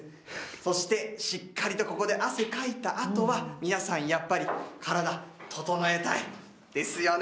そして、しっかりとここで汗かいたあとは皆さん、やっぱり体整えたいですよね。